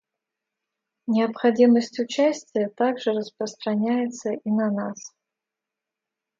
Необходимость участия также распространяется и на нас.